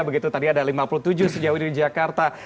begitu tadi ada lima puluh tujuh sejauhnya jakarta